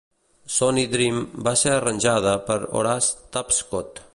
"Sonny Dream" va ser arranjada per Horace Tapscott.